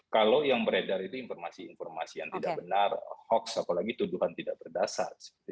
kalau yang beredar itu informasi informasi yang tidak benar hoax apalagi tuduhan tidak berdasar